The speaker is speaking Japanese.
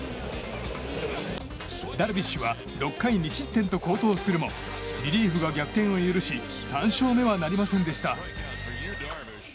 ダルビッシュは６回２失点と好投するもリリーフが逆転を許し３勝目はなりませんでした。